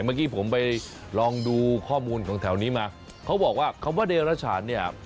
เมื่อกี้ผมไปลองดูข้อมูลของแถวนี้มาเขาบอกว่าคำว่าเดรฉันเนี่ย